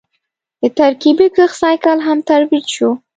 د ترکیبي کښت سایکل هم ترویج شو.